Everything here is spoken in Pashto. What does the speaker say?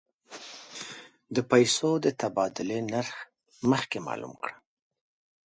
د پیسو د تبادلې نرخ مخکې معلوم کړه.